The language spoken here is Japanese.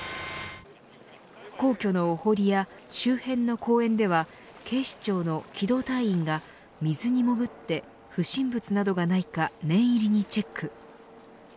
皇居のお堀や周辺の公園では警視庁の機動隊員が水に潜って不審物がないか念入りにチェック。